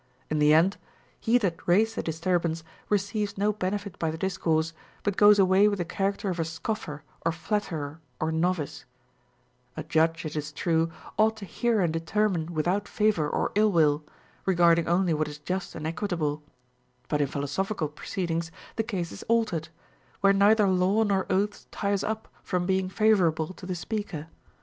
In the end, he that raised the disturbance receives no benefit by the discourse, but goes away Avith the character of a scoffer or flatterer or novice, A judge, it is true, ought to hear and determine without favor or ill will, regarding only what is just and equitable ; but in philosophical proceedings the case is altered, where neither law nor oaths tie us up from being favorable to the speaker.